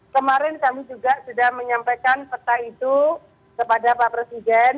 kemarin kami juga sudah menyampaikan peta itu kepada pak presiden